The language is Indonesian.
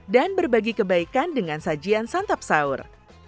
dan berbagi kebaikan dengan sajian santap saur